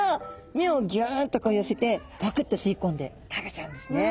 目をギュンとこう寄せてパクって吸い込んで食べちゃうんですね。